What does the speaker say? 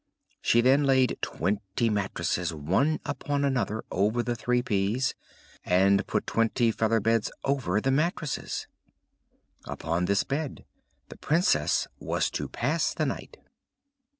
She then laid twenty mattresses one upon another over the three peas, and put twenty feather beds over the mattresses. Upon this bed the Princess was to pass the night.